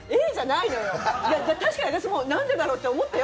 確かに私もなんでだろう？って思ったよ